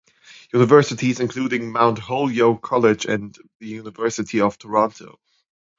Universities, including Mount Holyoke College and the University of Toronto.